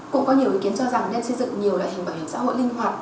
cũng có nhiều ý kiến cho rằng nên xây dựng nhiều loại hình bảo hiểm xã hội linh hoạt